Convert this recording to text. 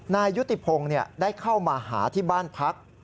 นายยุติพงศ์ได้เข้ามาหาที่บ้านพัก